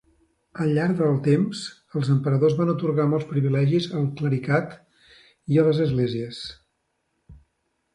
Al llarg del temps, els emperadors van atorgar molts privilegis al clericat i a les esglésies.